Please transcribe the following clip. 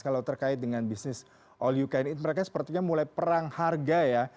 kalau terkait dengan bisnis all you can eat mereka sepertinya mulai perang harga ya